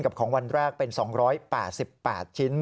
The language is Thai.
ของวันแรกเป็น๒๘๘ชิ้น